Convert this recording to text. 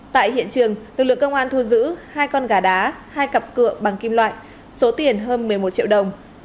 tại hiện trường lực lượng công an thu giữ hai con gà đá hai cặp cựa bằng kim loại số tiền hơn một mươi một triệu đồng